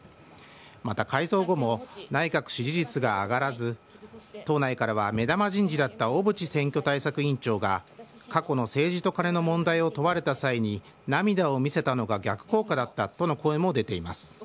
また、改造後も内閣支持率が上がらず党内からは目玉人事だった小渕選挙対策委員長が過去の政治とカネの問題を問われた際に涙を見せたのが逆効果だったとの声も出ています。